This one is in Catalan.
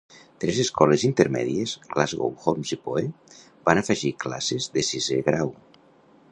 Tres escoles intermèdies, Glasgow, Holmes i Poe, van afegir classes de sisè grau.